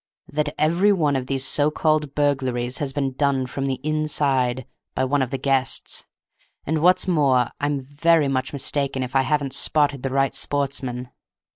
"That every one of these so called burglaries has been done from the inside, by one of the guests; and what's more I'm very much mistaken if I haven't spotted the right sportsman."